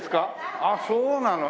ああそうなの。